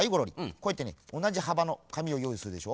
こうやってねおなじはばのかみをよういするでしょ。